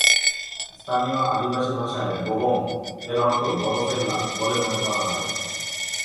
স্থানীয় আদিবাসী ভাষায় "বোগং" এর অর্থ "বড়ফেল্লা" বলে মনে করা হয়।